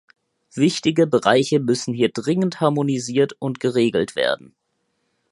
Wichtige Bereiche müssen hier dringend harmonisiert und geregelt werden.